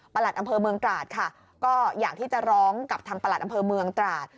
หลัดอำเภอเมืองตราดค่ะก็อยากที่จะร้องกับทางประหลัดอำเภอเมืองตราด